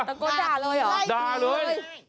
ตะโกนด่าเลยเหรอด่าเลยตะโกนด่าเลย